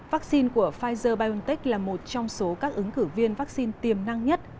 vaccine của pfizer biontech là một trong số các ứng cử viên vaccine tiềm năng nhất